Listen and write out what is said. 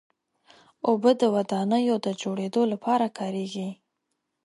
اوبه د ودانیو د جوړېدو لپاره کارېږي.